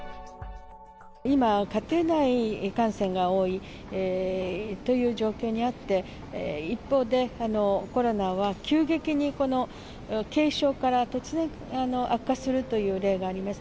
今、家庭内感染が多いという状況にあって、一方でコロナは急激に軽症から突然、悪化するという例があります。